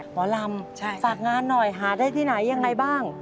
หมอลำฝากงานหน่อยหาได้ที่ไหนยังไงบ้าง